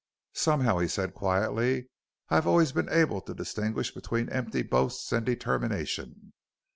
"Somehow," he said quietly, "I have always been able to distinguish between empty boast and determination.